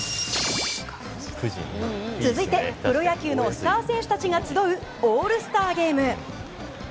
続いて、プロ野球のスター選手たちが集うオールスターゲーム。